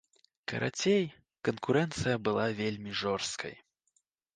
Карацей, канкурэнцыя была вельмі жорсткай.